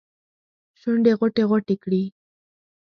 شونډې غوټې ، غوټې کړي